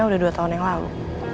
udah dua tahun yang lalu